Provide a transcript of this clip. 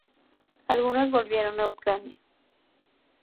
Algunos volvieron a Ucrania.